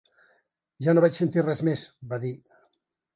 Ja no vaig sentir res més, va dir.